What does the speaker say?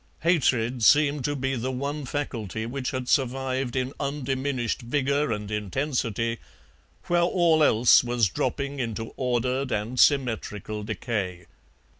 Hatred seemed to be the one faculty which had survived in undiminished vigour and intensity where all else was dropping into ordered and symmetrical decay.